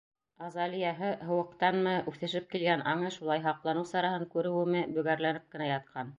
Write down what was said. Азалияһы, һыуыҡтанмы, үҫешеп килгән аңы шулай һаҡланыу сараһын күреүеме, бөгәрләнеп кенә ятҡан.